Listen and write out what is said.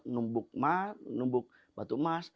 numbuk mat numbuk batu emas